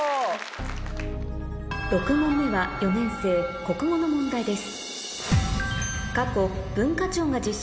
６問目は４年生国語の問題です